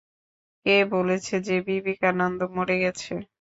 কে বলেছে যে, বিবেকানন্দ মরে গেছে।